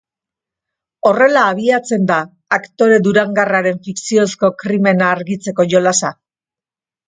Horrela abiatzen da aktore durangarraren fikziozko krimena argitzeko jolasa.